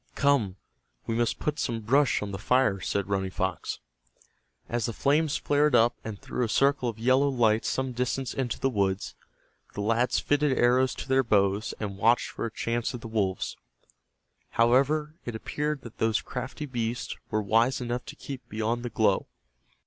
"Come, we must put some brush on the fire," said Running Fox. As the flames flared up and threw a circle of yellow light some distance into the woods, the lads fitted arrows to their bows and watched for a chance at the wolves. However, it appeared that those crafty beasts were wise enough to keep beyond the glow.